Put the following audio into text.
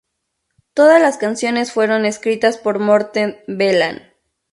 Todas las canciones fueron escritas por Morten Veland.